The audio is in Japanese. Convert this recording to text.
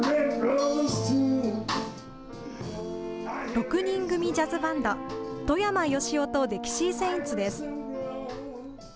６人組ジャズバンド、外山喜雄とデキシーセインツです。